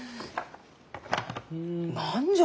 何じゃ？